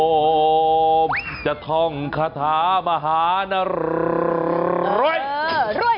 โอเห๋จะทองคาธามหานรรรรรรรร